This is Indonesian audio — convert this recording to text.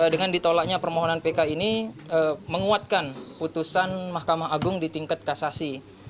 dengan ditolaknya permohonan pk ini menguatkan putusan mahkamah agung di tingkat kasasi